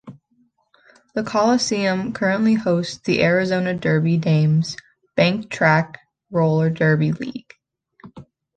The Coliseum currently hosts the Arizona Derby Dames banked track roller derby league.